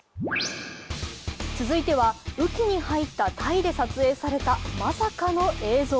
続いては雨季に入ったタイで撮影されたまさかの映像。